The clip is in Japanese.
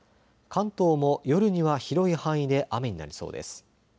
関東も夜には広い範囲で雨になりそうです。